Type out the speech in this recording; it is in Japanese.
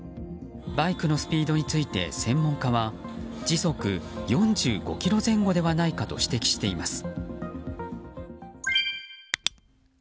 バイクのスピードについて専門家は時速４５キロ前後ではないかと指摘しています。